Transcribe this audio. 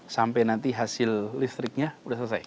sampai nanti hasil listriknya sudah selesai